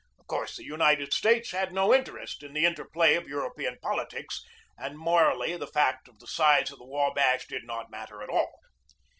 Of course the United States had no interest in the interplay of European politics, and morally the fact of the size of the Wabash did not matter at all.